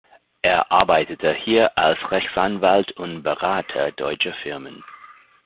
Er arbeitete hier als Rechtsanwalt und Berater deutscher Firmen.